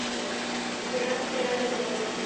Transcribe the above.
Diagrama general del color.